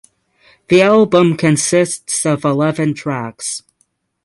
The album consists of eleven tracks.